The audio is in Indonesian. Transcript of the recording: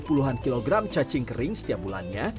puluhan kilogram cacing kering setiap bulannya